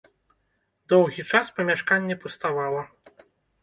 Доўгі час памяшканне пуставала.